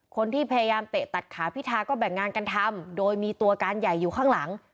คนที่พยายามเตะตัดขาพิธาก็แบ่งงานกันทำโดยมีตัวการใหญ่อยู่ข้างหลัง